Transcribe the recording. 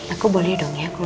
aku boleh ya dong luar rumah